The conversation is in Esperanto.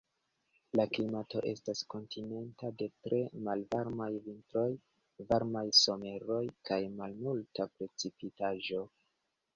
La klimato estas kontinenta de tre malvarmaj vintroj, varmaj someroj kaj malmulta precipitaĵo.